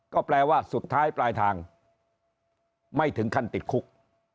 ก็แปลว่าสุดท้ายปลายทางไม่ถึงขั้นติดคุก